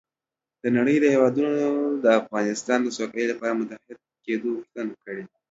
د نړۍ هېوادونو د افغانستان د سوکالۍ لپاره د متحد کېدو غوښتنه کړې